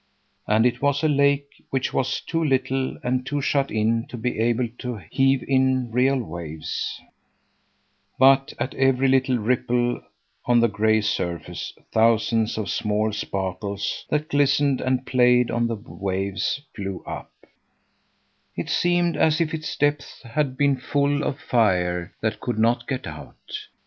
And it was a lake which was too little and too shut in to be able to heave in real waves, but at every little ripple on the gray surface thousands of small sparkles that glistened and played on the waves flew up; it seemed as if its depths had been full of fire that could not get out.